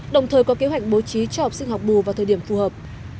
đồng thời có kế hoạch bố trí cho học sinh học bù vào thời điểm phù hợp